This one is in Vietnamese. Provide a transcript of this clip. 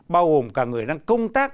bao gồm cả người đang công tác